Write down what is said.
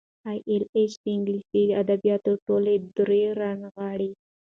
ای ایل ایچ د انګلیسي ادبیاتو ټولې دورې رانغاړي.